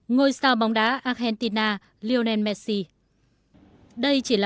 ngôi sao bóng đá argentina lionel messi